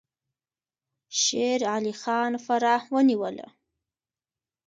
شیر علي خان فراه ونیوله.